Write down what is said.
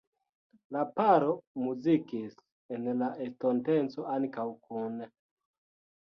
La paro muzikis en la estonteco ankaŭ kune.